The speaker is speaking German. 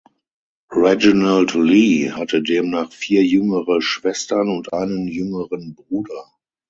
Reginald Lee hatte demnach vier jüngere Schwestern und einen jüngeren Bruder.